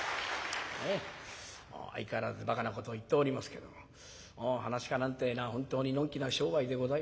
相変わらずバカなことを言っておりますけどももう噺家なんてえのは本当にのんきな商売でございます。